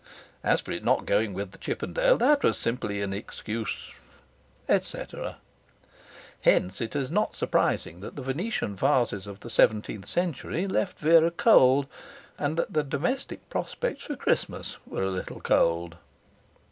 As for it not going with the Chippendale, that was simply an excuse ... etc. Hence it is not surprising that the Venetian vases of the seventeenth century left Vera cold, and that the domestic prospects for Christmas were a little cold.